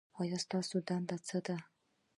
ستاسو دنده څه ده؟